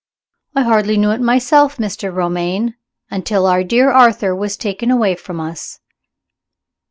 "I hardly knew it myself, Mr. Romayne, until our dear Arthur was taken away from us."